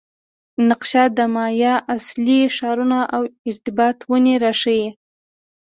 نقشه د مایا اصلي ښارونه او ارتباط ونې راښيي